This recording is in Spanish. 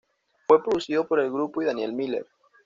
Fue producido por el grupo y Daniel Miller.